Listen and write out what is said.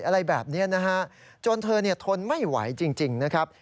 โดยเธอทนไม่ไหวจริงนะครับ